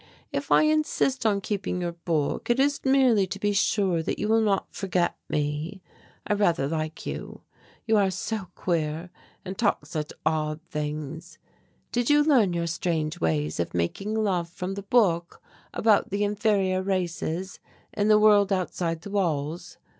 If I insist on keeping your book it is merely to be sure that you will not forget me. I rather like you; you are so queer and talk such odd things. Did you learn your strange ways of making love from the book about the inferior races in the world outside the walls?